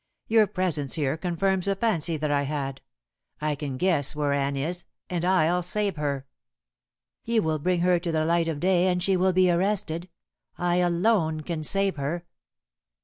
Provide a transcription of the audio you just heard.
"Your presence here confirms a fancy that I had. I can guess where Anne is, and I'll save her." "You will bring her to the light of day and she will be arrested. I alone can save her."